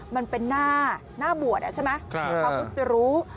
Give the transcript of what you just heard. มันเป็นหน้าบวชใช่ไหมเขาก็จะรู้